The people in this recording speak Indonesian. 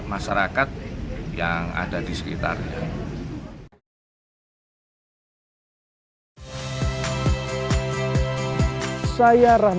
masyarakat yang ada di sekitarnya